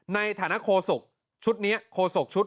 ในฐานะโคศกชุดนี้โคศกชุด